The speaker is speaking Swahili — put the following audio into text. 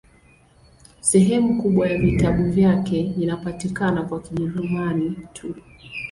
Sehemu kubwa ya vitabu vyake inapatikana kwa Kijerumani tu.